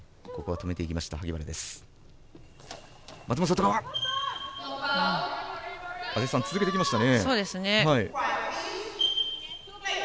続けてきましたね。